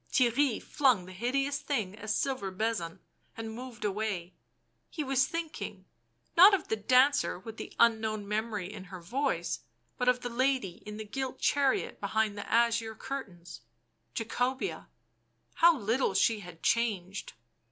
Theirry flung the hideous thing a silver bezant and moved away ; he was thinking, not of the dancer with the unknown memory in her voice, but of the lady in the gilt chariot behind the azure curtains ; Jacobea — how little she had changed